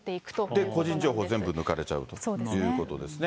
で、個人情報全部抜かれちゃうということですね。